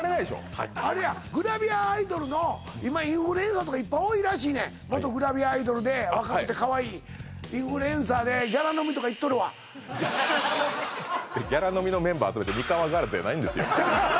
はいあれやグラビアアイドルの今インフルエンサーとかいっぱい多いらしいねん元グラビアアイドルで若くてかわいいインフルエンサーでギャラ飲みとか行っとるわギャラ飲みのメンバー集めてミカワガールズじゃないんですよ